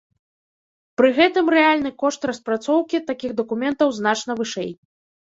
Пры гэтым рэальны кошт распрацоўкі такіх дакументаў значна вышэй.